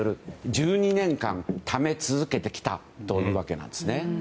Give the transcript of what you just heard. １２年間、ため続けてきたというわけなんですね。